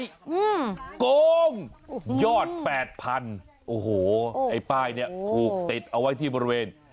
อืมโกงยอดแปดพันโอ้โหไอ้ป้ายเนี้ยถูกติดเอาไว้ที่บริเวณ